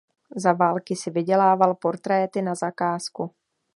Za války si vydělával portréty na zakázku.